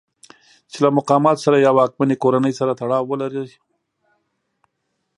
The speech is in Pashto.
چې له مقاماتو سره یا واکمنې کورنۍ سره تړاو ولرئ.